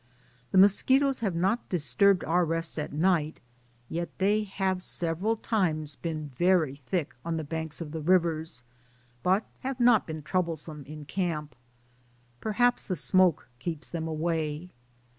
The mosquitoes have not disturbed our rest at night, yet they have several times been very thick on the banks of the rivers, but have not been troublesome in camp. Per haps the smoke keeps them away.